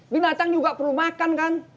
binatang juga perlu makan kan